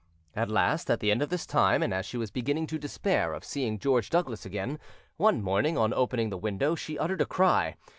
At last, at the end of this time, and as she was beginning to despair of seeing George Douglas again, one morning, on opening the window, she uttered a cry.